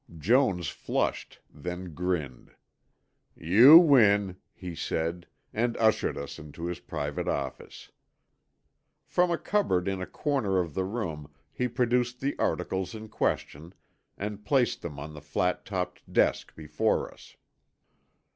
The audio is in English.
Jones flushed, then grinned. "You win," he said, and ushered us into his private office. From a cupboard in a corner of the room he produced the articles in question, and placed them on the flat topped desk before us.